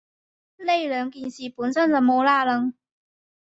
呢兩件事本身就冇拏褦